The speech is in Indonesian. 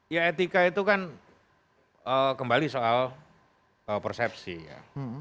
ya etika itu kan kembali soal persepsi ya